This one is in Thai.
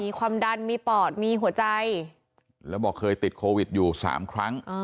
ความดันมีปอดมีหัวใจแล้วบอกเคยติดโควิดอยู่สามครั้ง